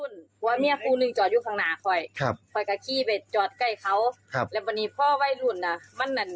ถ้าคนที่ไปดึงเสือนถ้าเขาบอกว่าเฮ้ยหัน